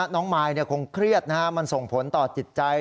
น้องมายคงเครียดมันส่งผลต่อจิตใจ